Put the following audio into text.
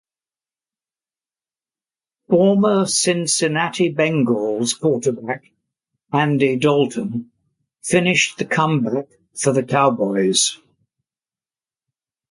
Former Cincinnati Bengals quarterback Andy Dalton finished the comeback for the Cowboys.